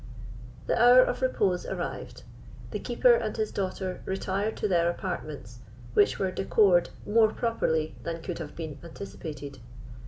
The hour of repose arrived. The Keeper and his daughter retired to their apartments, which were "decored" more properly than could have been anticipated.